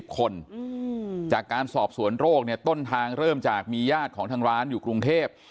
คนจากการสอบสวนโรคเนี่ยต้นทางเริ่มจากมีญาติของทางร้านอยู่กรุงเทพ